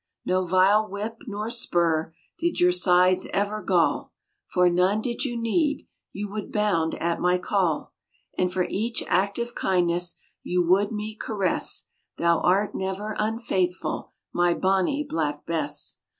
No vile whip nor spur Did your sides ever gall, For none did you need, You would bound at my call; And for each act of kindness You would me caress, Thou art never unfaithful, My Bonnie Black Bess.